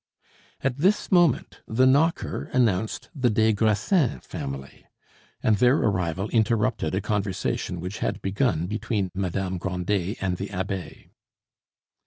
At this moment the knocker announced the des Grassins family, and their arrival interrupted a conversation which had begun between Madame Grandet and the abbe.